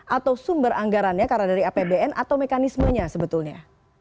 atau sumber anggarannya karena dari apbn atau mekanismenya sebetulnya